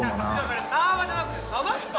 それサーバーじゃなくて鯖っすよ！